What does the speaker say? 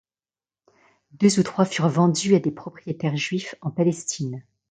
Deux ou trois furent vendus à des propriétaires juifs en Palestine.